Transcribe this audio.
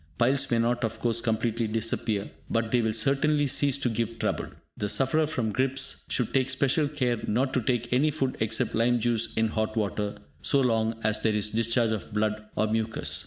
Piles may not, of course, completely disappear, but they will certainly cease to give trouble. The sufferer from gripes should take special care not to take any food except lime juice in hot water, so long as there is discharge of blood or mucus.